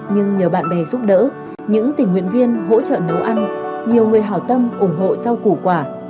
nhưng nhờ bạn bè giúp đỡ những tỉnh nguyện viên hỗ trợ nấu ăn nhiều người hào tâm ủng hộ sau củ quả